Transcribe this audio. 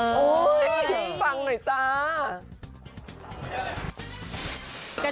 เฮ่ยฟังหน่อยจ้า